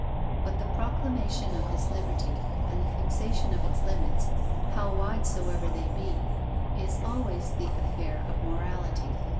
But the proclamation of this liberty, and the fixation of its limits, how wide soever they be, is always the affair of morality.